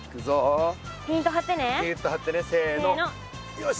よし！